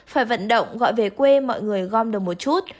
phải vận động gọi về quê mọi người gom được một chút